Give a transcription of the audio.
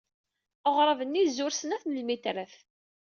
Aɣrab-nni zur snat n lmitrat.